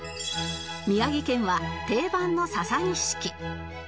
宮城県は定番のササニシキ